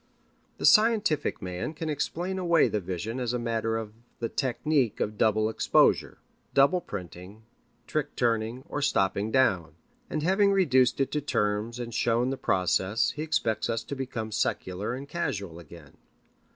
The scientific man can explain away the vision as a matter of the technique of double exposure, double printing, trick turning, or stopping down. And having reduced it to terms and shown the process, he expects us to become secular and casual again.